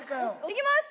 いきます！